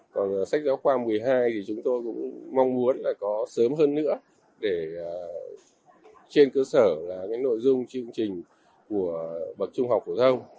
còn sách giáo khoa một mươi hai thì chúng tôi cũng mong muốn là có sớm hơn nữa để trên cơ sở là cái nội dung chương trình của bậc trung học phổ thông